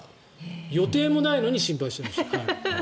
予定もないのに心配してました。